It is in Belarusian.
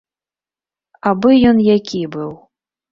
Абы ён які быў.